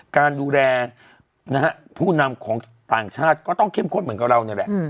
การดูแลนะฮะผู้นำของต่างชาติก็ต้องเข้มข้นเหมือนกับเรานี่แหละ